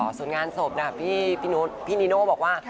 ส๒๐๑๗สุดงานสบเนี่ยพี่นีโนบอกว่า